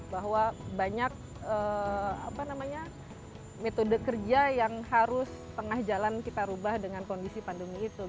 bahwa banyak metode kerja yang harus tengah jalan kita rubah dengan kondisi pandemi itu